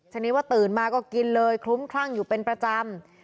ทีนี้ว่าตื่นมาก็กินเลยคลุ้มคลั่งอยู่เป็นประจำ